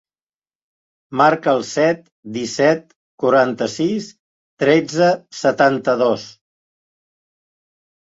Marca el set, disset, quaranta-sis, tretze, setanta-dos.